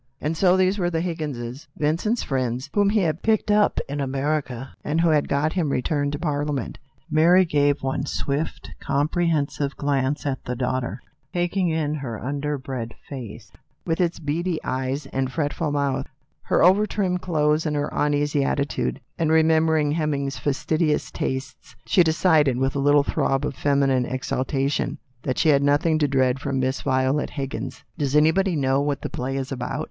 And so these were the Higgins; Vincent's friends, whom he had picked up in America, and who had got him returned to Parliament. J^ary gave one swift comprehensive glance at the daughter, taking in her underbred face, with its beady eyes and fretful mouth, her over trimmed, provincial clothes, and her uneasy attitude. She remembered Hem ming's fastidious tastes, and then she decided, with a little throb of feminine exultation, that she^ had nothing to dread from Miss Violet Higgins. "Does anybody know what the play is about